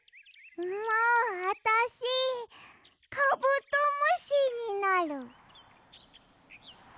もうあたしカブトムシになる。